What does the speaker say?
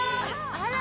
あら！